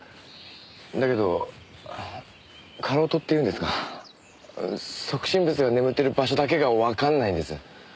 だけどかろうとっていうんですか即身仏が眠ってる場所だけがわかんないんです。